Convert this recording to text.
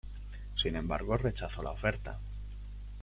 Sin embargo, rechazó la oferta.